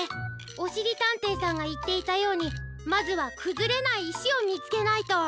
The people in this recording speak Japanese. おしりたんていさんがいっていたようにまずはくずれないいしをみつけないと。